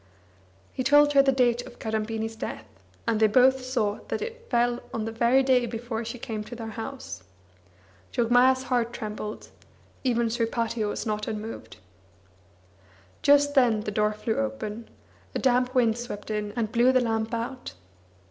He told her the date of Kadambini's death, and they both saw that it fell on the very day before she came to their house. Jogmaya's heart trembled, even Sripati was not unmoved. Just then the door flew open; a damp wind swept in and blew the lamp out.